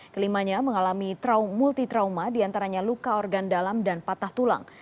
kelimanya mengalami multi trauma diantaranya luka organ dalam dan patah tulang